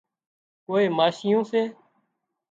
ڪوئي ماشيون سي